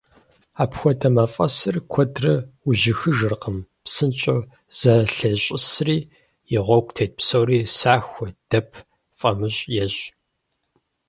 Апхуэдэ мафӀэсыр куэдрэ ужьыхыжыркъым, псынщӀэу зэлъещӏысри, и гъуэгу тет псори сахуэ, дэп, фӀамыщӀ ещӏ.